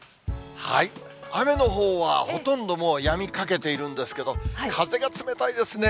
雨のほうはほとんどもうやみかけているんですけど、風が冷たいですね。